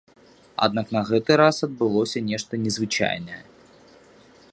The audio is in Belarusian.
Аднак на гэты раз адбылося нешта незвычайнае.